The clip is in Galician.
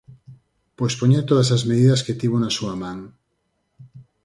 Pois poñer todas as medidas que tivo na súa man.